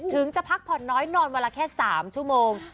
ถึงจะพักผ่อนน้อยนอนวันละแค่๓ชั่วโมง